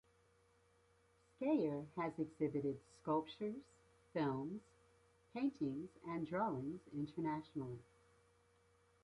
Skaer has exhibited sculptures, films, paintings, and drawings internationally.